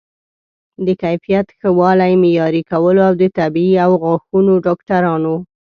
د کیفیت ښه والی معیاري کول او د طبي او غاښونو ډاکټرانو